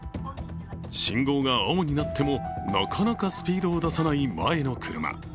信号が青になってもなかなかスピードを出さない前の車。